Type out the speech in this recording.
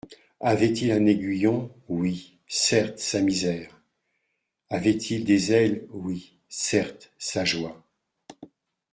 Avait-il un aiguillon ? oui, certes, sa misère ; avait-il des ailes ? oui, certes, sa joie.